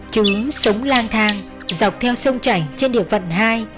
trứ sống lang thang dọc theo sông chảy trên địa phận hai